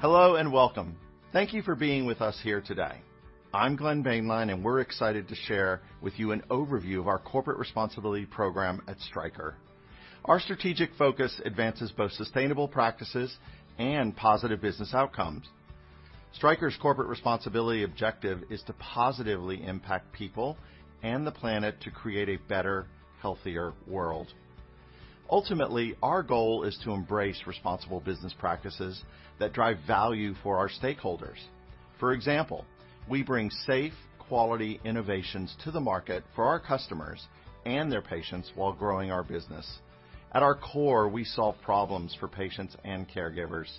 Hello and welcome. Thank you for being with us here today. I'm Glenn Boehnlein. We're excited to share with you an overview of our corporate responsibility program at Stryker. Our strategic focus advances both sustainable practices and positive business outcomes. Stryker's corporate responsibility objective is to positively impact people and the planet to create a better, healthier world. Ultimately, our goal is to embrace responsible business practices that drive value for our stakeholders. For example, we bring safe, quality innovations to the market for our customers and their patients while growing our business. At our core, we solve problems for patients and caregivers.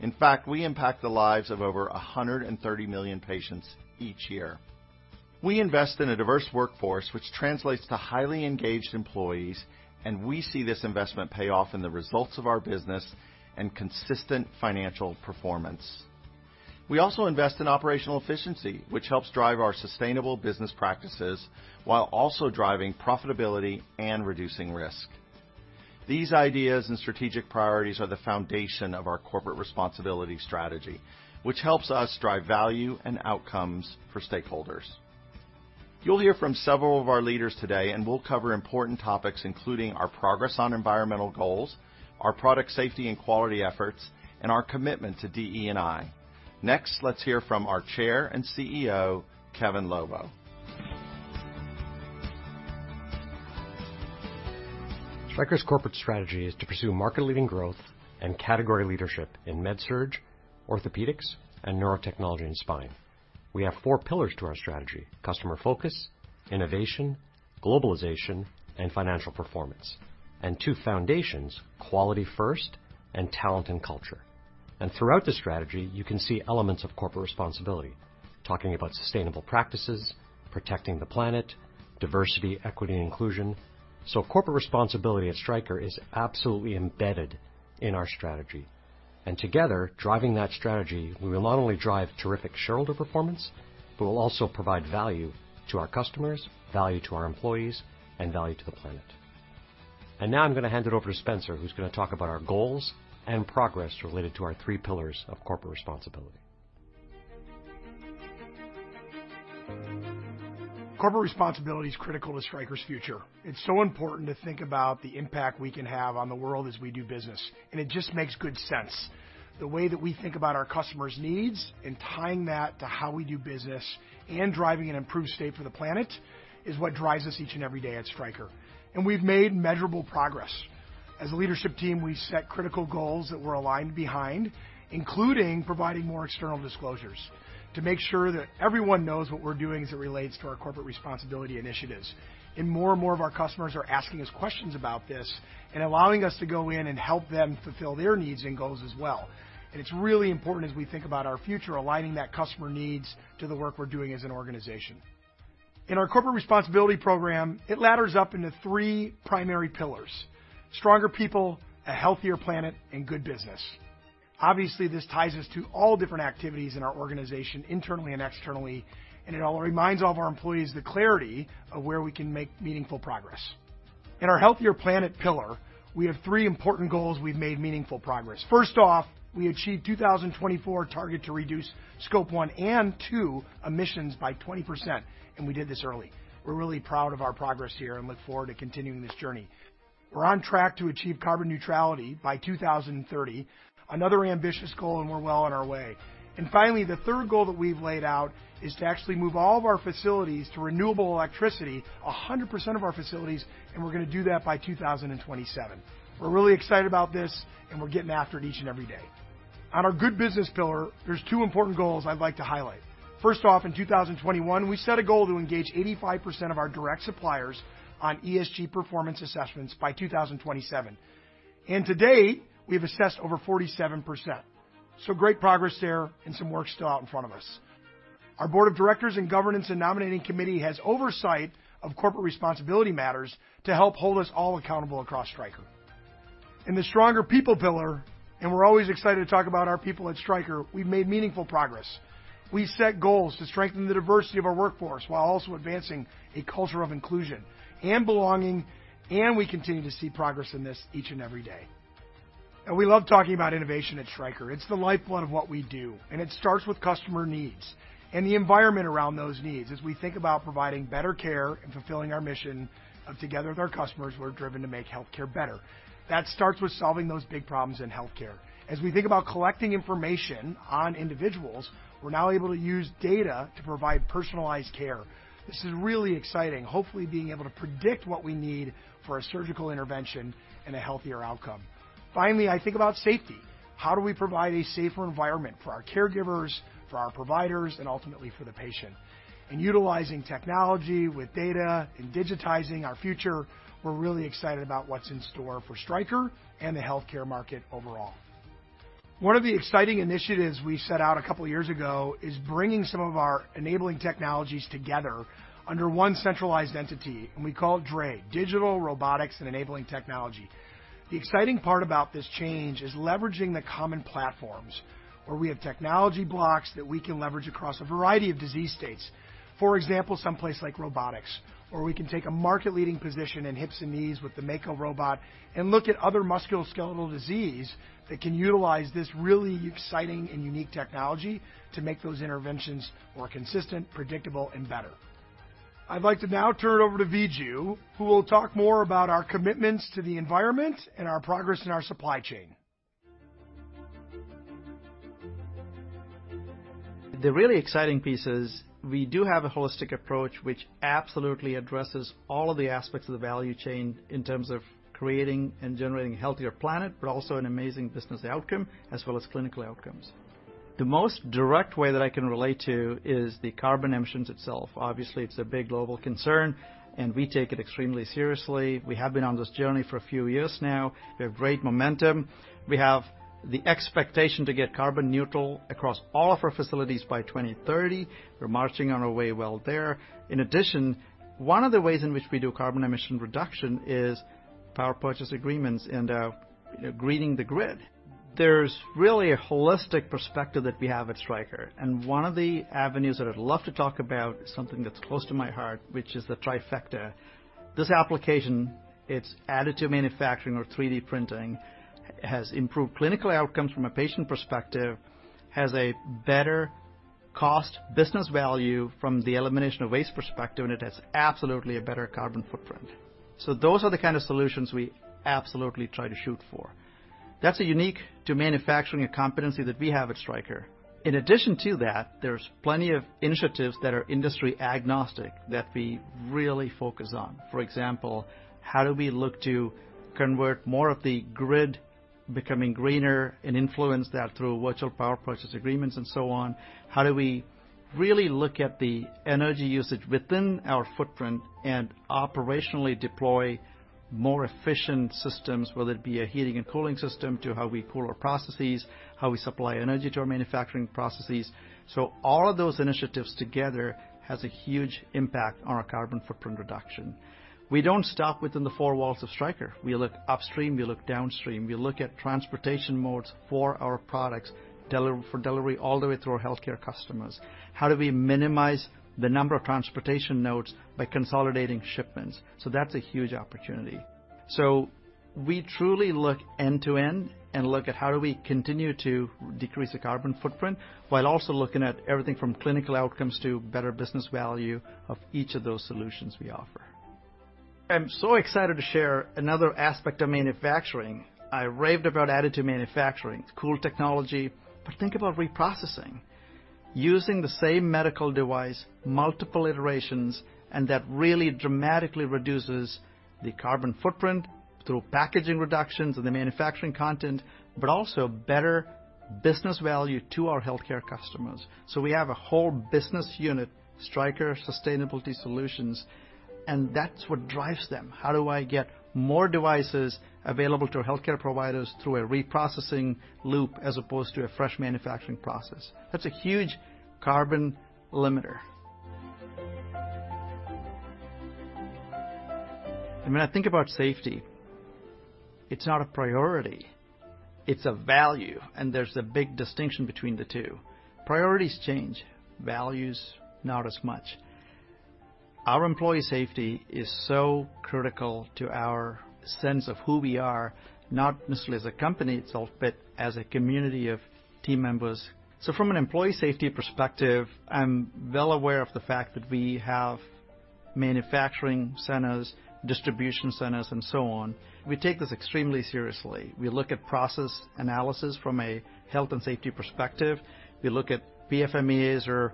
In fact, we impact the lives of over 130,000,000 patients each year. We invest in a diverse workforce, which translates to highly engaged employees. We see this investment pay off in the results of our business and consistent financial performance. We also invest in operational efficiency, which helps drive our sustainable business practices while also driving profitability and reducing risk. These ideas and strategic priorities are the foundation of our corporate responsibility strategy, which helps us drive value and outcomes for stakeholders. You'll hear from several of our leaders today, and we'll cover important topics, including our progress on environmental goals, our product safety and quality efforts, and our commitment to DE&I. Next, let's hear from our Chair and CEO, Kevin Lobo. Stryker's corporate strategy is to pursue market-leading growth and category leadership in MedSurg, Orthopaedics, and Neurotechnology and Spine. We have four pillars to our strategy: customer focus, innovation, globalization, and financial performance. Two foundations, quality first, and talent and culture. Throughout the strategy, you can see elements of corporate responsibility, talking about sustainable practices, protecting the planet, diversity, equity, and inclusion. Corporate responsibility at Stryker is absolutely embedded in our strategy, and together, driving that strategy, we will not only drive terrific shareholder performance, but we'll also provide value to our customers, value to our employees, and value to the planet. Now I'm going to hand it over to Spencer, who's going to talk about our goals and progress related to our three pillars of corporate responsibility. Corporate responsibility is critical to Stryker's future. It's so important to think about the impact we can have on the world as we do business, and it just makes good sense. The way that we think about our customers' needs and tying that to how we do business and driving an improved state for the planet, is what drives us each and every day at Stryker, and we've made measurable progress. As a leadership team, we set critical goals that we're aligned behind, including providing more external disclosures to make sure that everyone knows what we're doing as it relates to our corporate responsibility initiatives. More and more of our customers are asking us questions about this and allowing us to go in and help them fulfill their needs and goals as well. It's really important as we think about our future, aligning that customer needs to the work we're doing as an organization. In our corporate responsibility program, it ladders up into 3 primary pillars: stronger people, a healthier planet, and good business. Obviously, this ties us to all different activities in our organization, internally and externally, and it all reminds all of our employees the clarity of where we can make meaningful progress. In our healthier planet pillar, we have 3 important goals we've made meaningful progress. First off, we achieved 2024 target to reduce Scope 1 and Scope 2 emissions by 20%, we did this early. We're really proud of our progress here and look forward to continuing this journey. We're on track to achieve carbon neutrality by 2030. Another ambitious goal, we're well on our way. Finally, the third goal that we've laid out is to actually move all of our facilities to renewable electricity, 100% of our facilities, and we're going to do that by 2027. We're really excited about this, and we're getting after it each and every day. On our good business pillar, there's two important goals I'd like to highlight. First off, in 2021, we set a goal to engage 85% of our direct suppliers on ESG performance assessments by 2027, and to date, we've assessed over 47%. Great progress there and some work still out in front of us. Our board of directors and governance and nominating committee has oversight of corporate responsibility matters to help hold us all accountable across Stryker. In the stronger people pillar, we're always excited to talk about our people at Stryker, we've made meaningful progress. We set goals to strengthen the diversity of our workforce while also advancing a culture of inclusion and belonging, we continue to see progress in this each and every day. We love talking about innovation at Stryker. It's the lifeblood of what we do, and it starts with customer needs and the environment around those needs. As we think about providing better care and fulfilling our mission of together with our customers, we're driven to make healthcare better. That starts with solving those big problems in healthcare. As we think about collecting information on individuals, we're now able to use data to provide personalized care. This is really exciting. Hopefully, being able to predict what we need for a surgical intervention and a healthier outcome. I think about safety. How do we provide a safer environment for our caregivers, for our providers, and ultimately for the patient? In utilizing technology with data and digitizing our future, we're really excited about what's in store for Stryker and the healthcare market overall. One of the exciting initiatives we set out a couple of years ago is bringing some of our enabling technologies together under one centralized entity, and we call it DRE, Digital Robotics and Enabling Technology. The exciting part about this change is leveraging the common platforms we have technology blocks that we can leverage across a variety of disease states. For example, someplace like robotics, where we can take a market-leading position in hips and knees with the Mako robot and look at other musculoskeletal disease that can utilize this really exciting and unique technology to make those interventions more consistent, predictable, and better. I'd like to now turn it over to Viju, who will talk more about our commitments to the environment and our progress in our supply chain. The really exciting piece is, we do have a holistic approach, which absolutely addresses all of the aspects of the value chain in terms of creating and generating a healthier planet, but also an amazing business outcome, as well as clinical outcomes. The most direct way that I can relate to is the carbon emissions itself. Obviously, it's a big global concern, and we take it extremely seriously. We have been on this journey for a few years now. We have great momentum. We have the expectation to get carbon neutral across all of our facilities by 2030. We're marching on our way well there. In addition, one of the ways in which we do carbon emission reduction is power purchase agreements and, you know, greening the grid. There's really a holistic perspective that we have at Stryker, one of the avenues that I'd love to talk about is something that's close to my heart, which is the trifecta. This application, it's additive manufacturing or 3D printing, has improved clinical outcomes from a patient perspective, has a better cost business value from the elimination of waste perspective, and it has absolutely a better carbon footprint. Those are the kind of solutions we absolutely try to shoot for. That's a unique to manufacturing, a competency that we have at Stryker. In addition to that, there's plenty of initiatives that are industry-agnostic that we really focus on. For example, how do we look to convert more of the grid becoming greener and influence that through virtual power purchase agreements and so on? How do we really look at the energy usage within our footprint and operationally deploy more efficient systems, whether it be a heating and cooling system, to how we cool our processes, how we supply energy to our manufacturing processes? All of those initiatives together has a huge impact on our carbon footprint reduction. We don't stop within the four walls of Stryker. We look upstream, we look downstream, we look at transportation modes for our products, for delivery all the way through our healthcare customers. How do we minimize the number of transportation nodes by consolidating shipments? That's a huge opportunity. We truly look end-to-end and look at how do we continue to decrease the carbon footprint, while also looking at everything from clinical outcomes to better business value of each of those solutions we offer. I'm so excited to share another aspect of manufacturing. I raved about additive manufacturing. It's cool technology. Think about reprocessing. Using the same medical device, multiple iterations, that really dramatically reduces the carbon footprint through packaging reductions and the manufacturing content, but also better business value to our healthcare customers. We have a whole business unit, Stryker's Sustainability Solutions, and that's what drives them. How do I get more devices available to our healthcare providers through a reprocessing loop as opposed to a fresh manufacturing process? That's a huge carbon limiter. When I think about safety, it's not a priority, it's a value, and there's a big distinction between the two. Priorities change, values, not as much. Our employee safety is so critical to our sense of who we are, not necessarily as a company itself, but as a community of team members. From an employee safety perspective, I'm well aware of the fact that we have manufacturing centers, distribution centers, and so on. We take this extremely seriously. We look at process analysis from a health and safety perspective. We look at PFMEAs or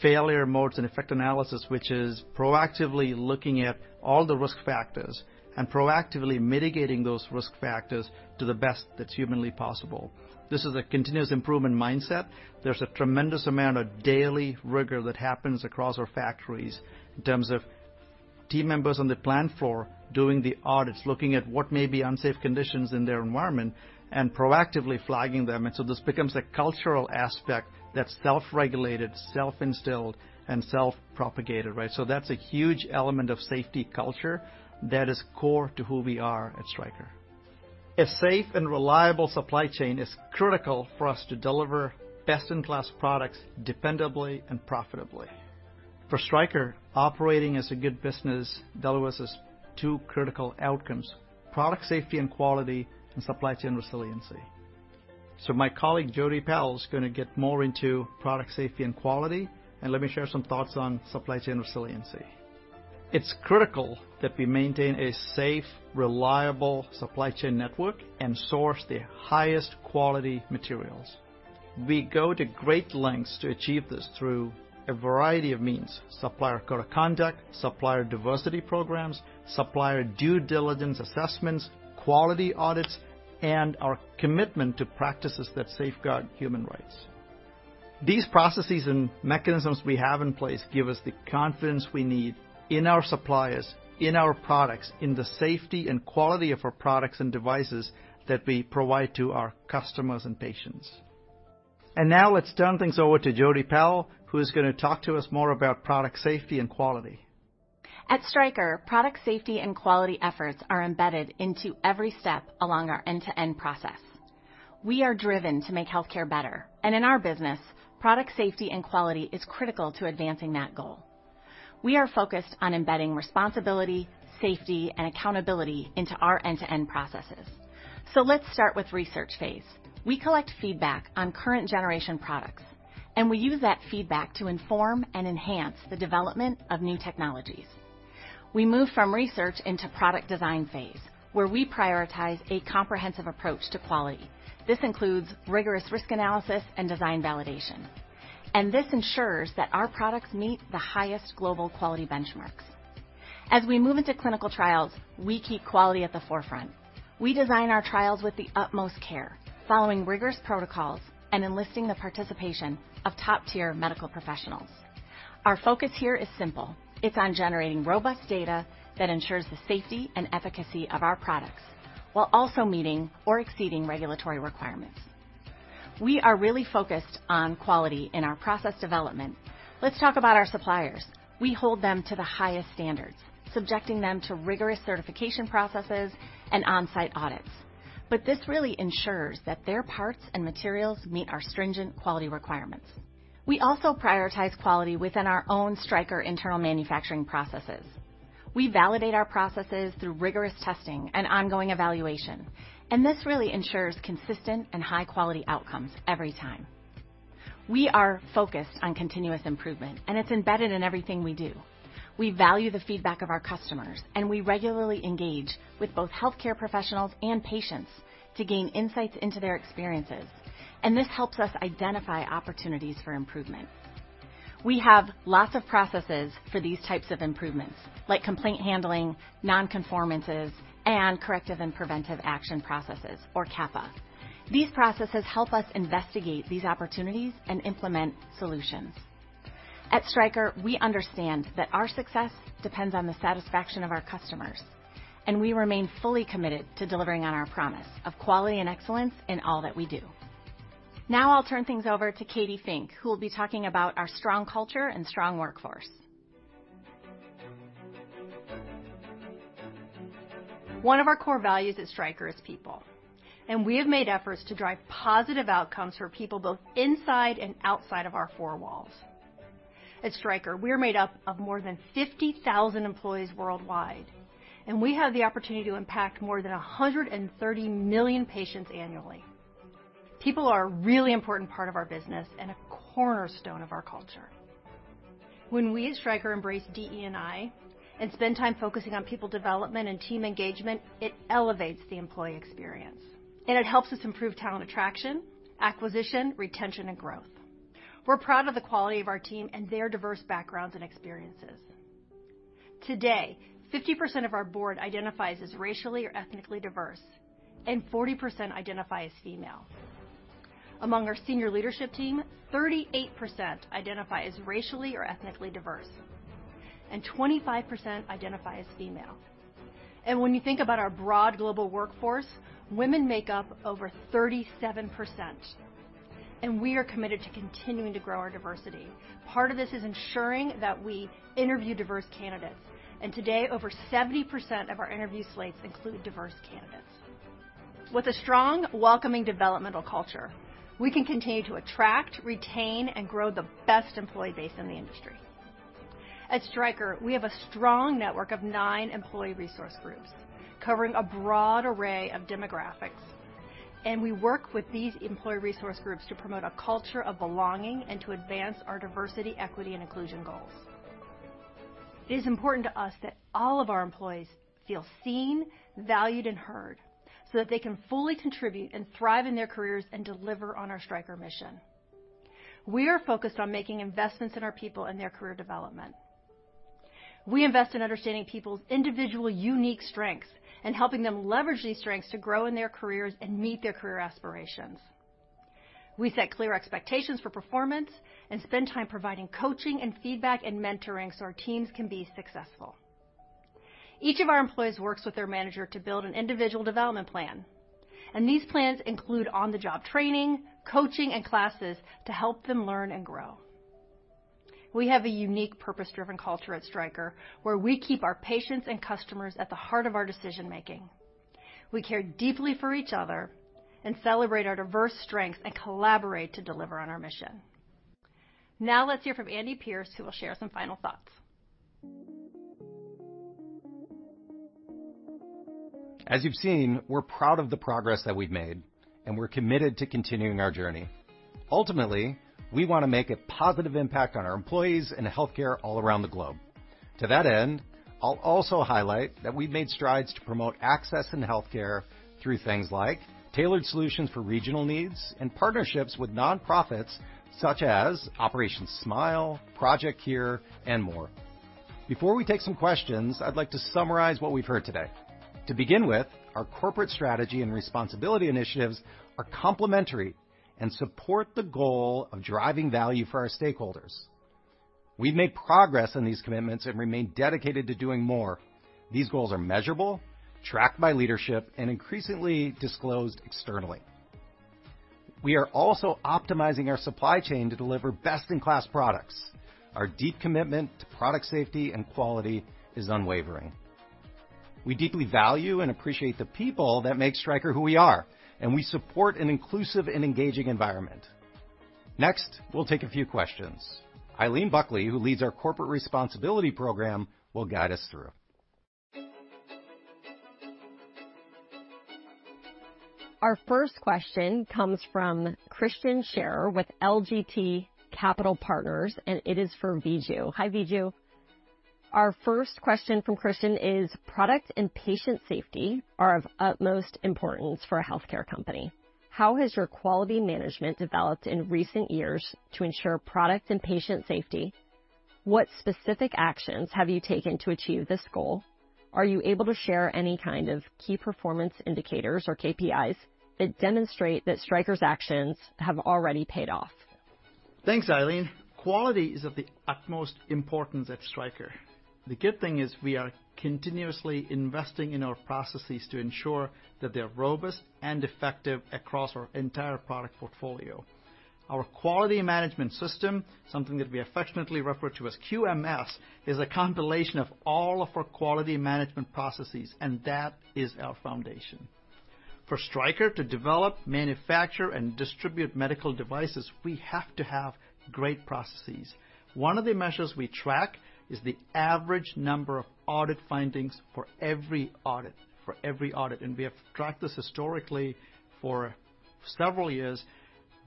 failure modes and effect analysis, which is proactively looking at all the risk factors and proactively mitigating those risk factors to the best that's humanly possible. This is a continuous improvement mindset. There's a tremendous amount of daily rigor that happens across our factories in terms of team members on the plant floor doing the audits, looking at what may be unsafe conditions in their environment, and proactively flagging them. This becomes a cultural aspect that's self-regulated, self-instilled, and self-propagated, right? That's a huge element of safety culture that is core to who we are at Stryker. A safe and reliable supply chain is critical for us to deliver best-in-class products dependably and profitably. For Stryker, operating as a good business delivers us two critical outcomes: product safety and quality, and supply chain resiliency. My colleague, Jody Powell, is going to get more into product safety and quality, and let me share some thoughts on supply chain resiliency. It's critical that we maintain a safe, reliable supply chain network and source the highest quality materials. We go to great lengths to achieve this through a variety of means: supplier code of conduct, supplier diversity programs, supplier due diligence assessments, quality audits, and our commitment to practices that safeguard human rights. These processes and mechanisms we have in place give us the confidence we need in our suppliers, in our products, in the safety and quality of our products and devices that we provide to our customers and patients. Now, let's turn things over to Jody Powell, who is going to talk to us more about product safety and quality. At Stryker, product safety and quality efforts are embedded into every step along our end-to-end process. We are driven to make healthcare better, and in our business, product safety and quality is critical to advancing that goal. We are focused on embedding responsibility, safety, and accountability into our end-to-end processes. Let's start with research phase. We collect feedback on current generation products, and we use that feedback to inform and enhance the development of new technologies. We move from research into product design phase, where we prioritize a comprehensive approach to quality. This includes rigorous risk analysis and design validation, and this ensures that our products meet the highest global quality benchmarks. As we move into clinical trials, we keep quality at the forefront. We design our trials with the utmost care, following rigorous protocols and enlisting the participation of top-tier medical professionals. Our focus here is simple: It's on generating robust data that ensures the safety and efficacy of our products, while also meeting or exceeding regulatory requirements. We are really focused on quality in our process development. Let's talk about our suppliers. We hold them to the highest standards, subjecting them to rigorous certification processes and on-site audits. This really ensures that their parts and materials meet our stringent quality requirements. We also prioritize quality within our own Stryker internal manufacturing processes. We validate our processes through rigorous testing and ongoing evaluation, and this really ensures consistent and high-quality outcomes every time. We are focused on continuous improvement, and it's embedded in everything we do. We value the feedback of our customers, and we regularly engage with both healthcare professionals and patients to gain insights into their experiences, and this helps us identify opportunities for improvement. We have lots of processes for these types of improvements, like complaint handling, non-conformances, and corrective and preventive action processes, or CAPA. These processes help us investigate these opportunities and implement solutions. At Stryker, we understand that our success depends on the satisfaction of our customers, and we remain fully committed to delivering on our promise of quality and excellence in all that we do. I'll turn things over to Katy Fink, who will be talking about our strong culture and strong workforce. One of our core values at Stryker is people, and we have made efforts to drive positive outcomes for people both inside and outside of our four walls. At Stryker, we are made up of more than 50,000 employees worldwide, and we have the opportunity to impact more than 130,000,000 patients annually. People are a really important part of our business and a cornerstone of our culture. When we at Stryker embrace DE&I and spend time focusing on people development and team engagement, it elevates the employee experience, and it helps us improve talent attraction, acquisition, retention, and growth. We're proud of the quality of our team and their diverse backgrounds and experiences. Today, 50% of our board identifies as racially or ethnically diverse, and 40% identify as female. Among our senior leadership team, 38% identify as racially or ethnically diverse, 25% identify as female. When you think about our broad global workforce, women make up over 37%, and we are committed to continuing to grow our diversity. Part of this is ensuring that we interview diverse candidates, and today over 70% of our interview slates include diverse candidates. With a strong, welcoming, developmental culture, we can continue to attract, retain, and grow the best employee base in the industry. At Stryker, we have a strong network of nine employee resource groups covering a broad array of demographics, and we work with these employee resource groups to promote a culture of belonging and to advance our diversity, equity, and inclusion goals. It is important to us that all of our employees feel seen, valued, and heard so that they can fully contribute and thrive in their careers and deliver on our Stryker mission. We are focused on making investments in our people and their career development. We invest in understanding people's individual, unique strengths and helping them leverage these strengths to grow in their careers and meet their career aspirations. We set clear expectations for performance and spend time providing coaching and feedback and mentoring so our teams can be successful. Each of our employees works with their manager to build an individual development plan, and these plans include on-the-job training, coaching, and classes to help them learn and grow. We have a unique, purpose-driven culture at Stryker, where we keep our patients and customers at the heart of our decision-making. We care deeply for each other and celebrate our diverse strengths and collaborate to deliver on our mission. Now let's hear from Andy Pierce, who will share some final thoughts. As you've seen, we're proud of the progress that we've made, and we're committed to continuing our journey. Ultimately, we want to make a positive impact on our employees and healthcare all around the globe. To that end, I'll also highlight that we've made strides to promote access in healthcare through things like tailored solutions for regional needs and partnerships with nonprofits such as Operation Smile, Project C.U.R.E., and more. Before we take some questions, I'd like to summarize what we've heard today. To begin with, our corporate strategy and responsibility initiatives are complementary and support the goal of driving value for our stakeholders. We've made progress on these commitments and remain dedicated to doing more. These goals are measurable, tracked by leadership, and increasingly disclosed externally. We are also optimizing our supply chain to deliver best-in-class products. Our deep commitment to product safety and quality is unwavering. We deeply value and appreciate the people that make Stryker who we are. We support an inclusive and engaging environment. Next, we'll take a few questions. Eileen Buckley, who leads our corporate responsibility program, will guide us through. Our first question comes from Christian Scherr with LGT Capital Partners. It is for Viju. Hi, Viju. Our first question from Christian is: product and patient safety are of utmost importance for a healthcare company. How has your quality management developed in recent years to ensure product and patient safety? What specific actions have you taken to achieve this goal? Are you able to share any kind of key performance indicators, or KPIs, that demonstrate that Stryker's actions have already paid off? Thanks, Eileen. Quality is of the utmost importance at Stryker. The good thing is, we are continuously investing in our processes to ensure that they're robust and effective across our entire product portfolio. Our quality management system, something that we affectionately refer to as QMS, is a compilation of all of our quality management processes, and that is our foundation. For Stryker to develop, manufacture, and distribute medical devices, we have to have great processes. One of the measures we track is the average number of audit findings for every audit, and we have tracked this historically for several years.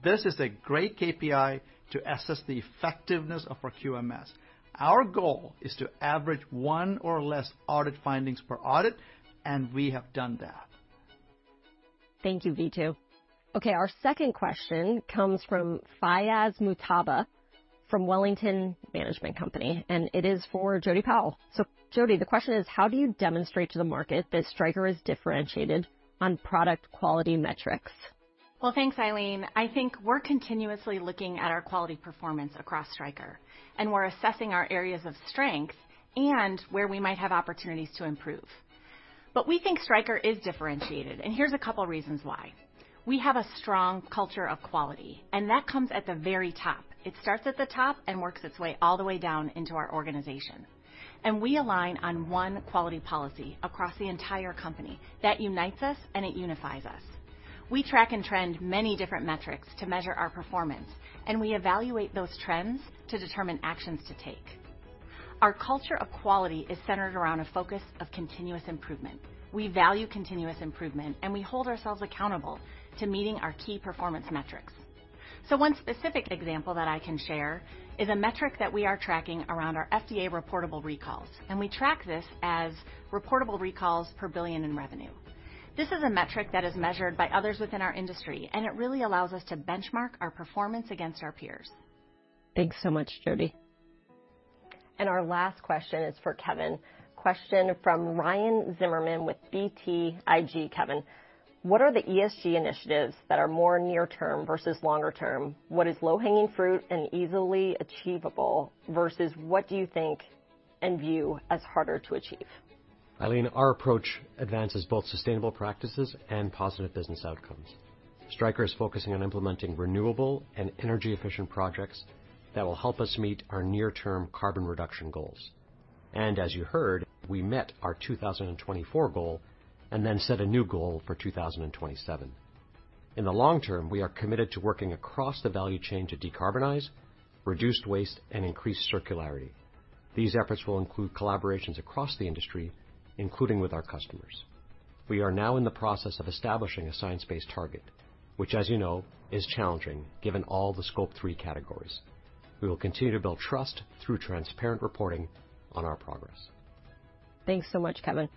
This is a great KPI to assess the effectiveness of our QMS. Our goal is to average 1 or less audit findings per audit, and we have done that. Thank you, Viju. Our second question comes from Fayaz Madatali from Wellington Management Company, and it is for Jody Powell. Jody, the question is: how do you demonstrate to the market that Stryker is differentiated on product quality metrics? Well, thanks, Eileen. I think we're continuously looking at our quality performance across Stryker, and we're assessing our areas of strength and where we might have opportunities to improve. We think Stryker is differentiated, and here's a couple reasons why. We have a strong culture of quality, and that comes at the very top. It starts at the top and works its way all the way down into our organization. We align on one quality policy across the entire company. That unites us, and it unifies us. We track and trend many different metrics to measure our performance, and we evaluate those trends to determine actions to take. Our culture of quality is centered around a focus of continuous improvement. We value continuous improvement, and we hold ourselves accountable to meeting our key performance metrics. One specific example that I can share is a metric that we are tracking around our FDA reportable recalls, and we track this as reportable recalls per billion in revenue. This is a metric that is measured by others within our industry, and it really allows us to benchmark our performance against our peers. Thanks so much, Jody. Our last question is for Kevin. Question from Ryan Zimmerman with BTIG. Kevin, what are the ESG initiatives that are more near term versus longer term? What is low-hanging fruit and easily achievable versus what do you think and view as harder to achieve? Eileen, our approach advances both sustainable practices and positive business outcomes. Stryker is focusing on implementing renewable and energy-efficient projects that will help us meet our near-term carbon reduction goals. As you heard, we met our 2024 goal and then set a new goal for 2027. In the long term, we are committed to working across the value chain to decarbonize, reduce waste, and increase circularity. These efforts will include collaborations across the industry, including with our customers. We are now in the process of establishing a science-based target, which, as you know, is challenging given all the Scope 3 categories. We will continue to build trust through transparent reporting on our progress. Thanks so much, Kevin.